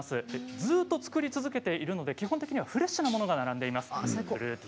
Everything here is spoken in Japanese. ずっと造り続けているので基本的にはフレッシュなものが並んでいます。